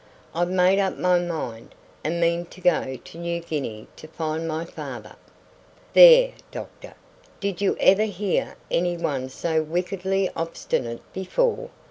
"I've made up my mind, and mean to go to New Guinea to find my father." "There, doctor, did you ever hear any one so wickedly obstinate before?"